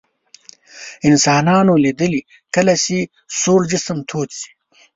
انسانانو لیدلي کله چې سوړ جسم تود شي.